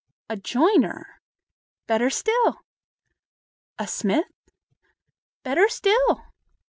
"A joiner?" "Better still!" "A smith?" "Better still!"